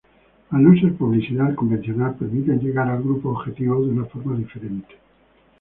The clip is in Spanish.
Al no ser publicidad convencional permiten llegar al grupo objetivo de una forma diferente.